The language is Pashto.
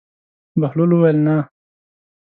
بهلول وویل: نه.